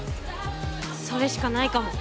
それしかないかも。